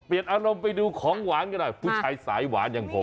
เปลี่ยนอารมณ์ไปดูของหวานกันด้วยผู้ชายสายหวานอย่างผม